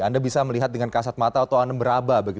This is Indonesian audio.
anda bisa melihat dengan kasat mata atau anda beraba